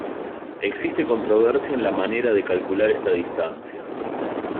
Existe controversia en la manera de calcular esta distancia.